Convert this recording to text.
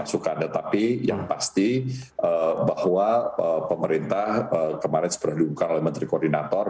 suka anda tapi yang pasti bahwa pemerintah kemarin sebenarnya diungkar oleh menteri koordinator